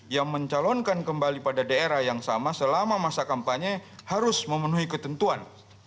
yang mencalonkan kembali pada daerah yang sama selama masa kampanye harus memenuhi ketentuan